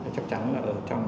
chắc chắn là ở trong